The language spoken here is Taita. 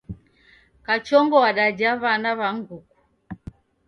Kachongo w'adaja w'ana wa nguku